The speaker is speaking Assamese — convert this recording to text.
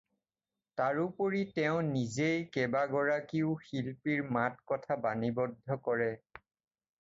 তাৰোপৰি তেওঁ নিজেই কেবা গৰাকীও শিল্পীৰ মাত কথা বাণীবদ্ধ কৰে।